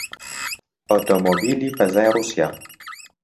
ئۆتۆمۆبیلی فەزای ڕووسیا